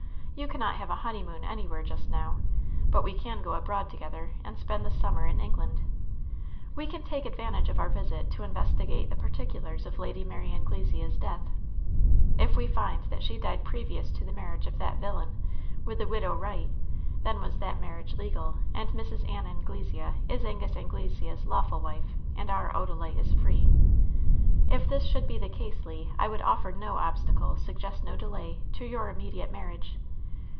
You cannot have a honey moon anywhere just now. But we can go abroad to gether, and spend the summer in England. We can take advantage of our visit to investigate the particulars of Lady Mary Anglesea's death. If we find that she died previous to the marriage of that villain with the Widow Wright, then was that marriage legal, and Mrs. Ann Anglesea is Angus Anglesea's lawful wife, and our Oda lite is free. If this should be the case, Le, I would offer no obstacle, suggest no delay, to your immediate marriage.